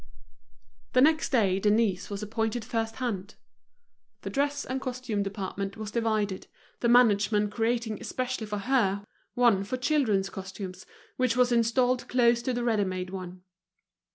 The next day Denise was appointed first hand. The dress and costume department was divided, the management creating especially for her one for children's costumes, which was installed close to the ready made one.